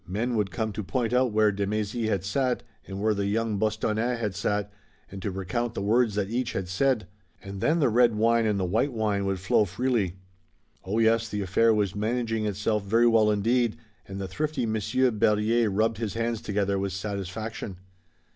Men would come to point out where de Mézy had sat, and where the young Bostonnais had sat, and to recount the words that each had said. And then the red wine and the white wine would flow freely. Oh, yes, the affair was managing itself very well indeed, and the thrifty Monsieur Berryer rubbed his hands together with satisfaction.